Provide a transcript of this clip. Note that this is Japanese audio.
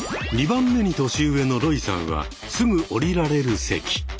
２番目に年上のロイさんはすぐ降りられる席。